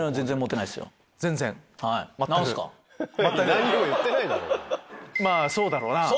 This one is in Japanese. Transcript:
何も言ってないだろ！